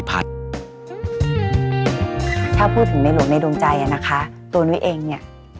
ภาพถึงไม่เยอะมากโจรใจนะคะตัวนุ้ยเองเนี่ย